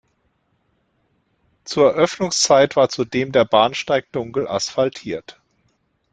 Zur Eröffnungszeit war zudem der Bahnsteig dunkel asphaltiert.